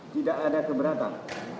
tidak ada keberatan